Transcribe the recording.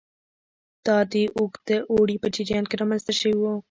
دا د اوږده اوړي په جریان کې رامنځته شوي وو